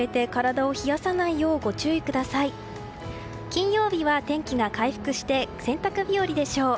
金曜日は天気が回復して洗濯日和でしょう。